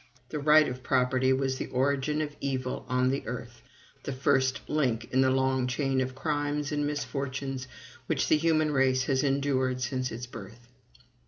The right of property was the origin of evil on the earth, the first link in the long chain of crimes and misfortunes which the human race has endured since its birth.